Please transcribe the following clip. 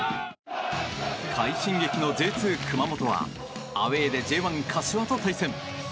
快進撃のＪ２、熊本はアウェーでＪ１、柏と対戦。